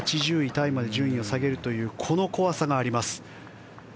タイまで順位を下げるというこの怖さがあります。